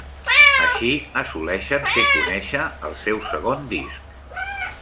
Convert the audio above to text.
Així assoleixen fer conèixer el seu segon disc.